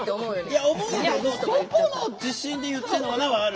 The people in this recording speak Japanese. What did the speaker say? いや思うけど「どこの自信で言ってんのかな」はある。